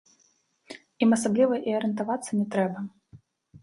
Ім асабліва і арыентавацца не трэба.